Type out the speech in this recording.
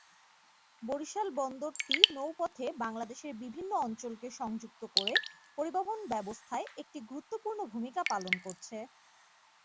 বরিশাল বন্দরটি নৌপথে বাংলাদেশের বিভিন্ন অঞ্চলকে সংযুক্ত করে পরিবহণ ব্যবস্থায় একটি গুরুত্বপূর্ণ ভূমিকা পালন করছে।